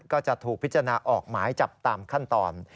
ก็จะถูกพิจารณาออกหมายจับตามขั้นตอน